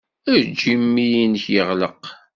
Ejj imi-nnek yeɣleq.